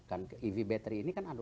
kan ev battery ini kan ada banyak